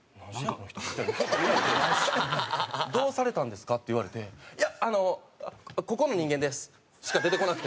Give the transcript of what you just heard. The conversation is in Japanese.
この人」みたいなふうに見られて「どうされたんですか？」って言われて「いやあのここの人間です」しか出てこなくて。